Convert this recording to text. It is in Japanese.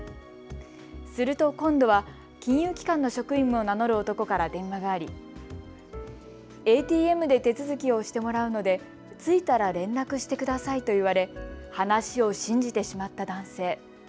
すると、今度は金融機関の職員を名乗る男から電話がありＡＴＭで手続きをしてもらうので着いたら連絡してくださいと言われ話を信じてしまった男性。